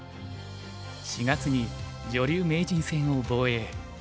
４月に女流名人戦を防衛。